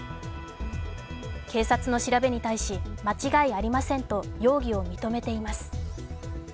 警察の調べに対し、間違いありませんと容疑を認めています。